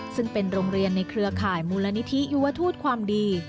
ซึ่งเป็นโรงเรียนในเครือข่ายมูลนิธิยุวทูตความดี